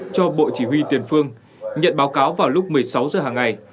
cho bộ chỉ huy tiền phương nhận báo cáo vào lúc một mươi sáu h hàng ngày